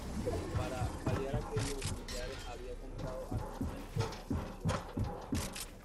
Para paliar aquello, Miyares había comprado armamento y munición en Curazao.